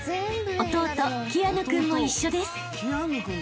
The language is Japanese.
［弟キアヌ君も一緒です］